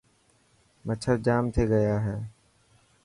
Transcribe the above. مڇر جام ٿي گيا هي.